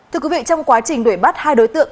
thưa quý vị trong quá trình đuổi bắt hai đối tượng